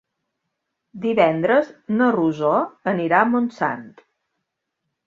Divendres na Rosó anirà a Montant.